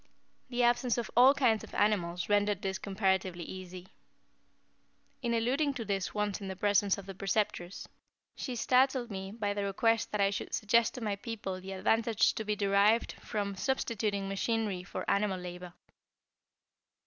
The absence of all kinds of animals rendered this comparatively easy. In alluding to this once in the presence of the Preceptress, she startled me by the request that I should suggest to my people the advantage to be derived from substituting machinery for animal labor.